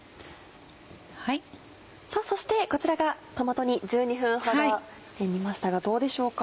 そしてこちらがトマト煮１２分ほど煮ましたがどうでしょうか。